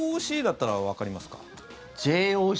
ＪＯＣだったらわかりますか？